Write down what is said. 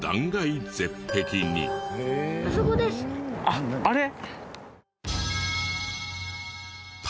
あっある。